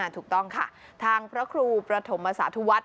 ถูกต้องค่ะทางพระครูประถมสาธุวัฒน